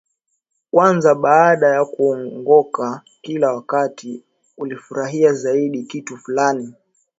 kwanza baada ya kuongoka Kila wakati ulifurahia zaidi kitu fulani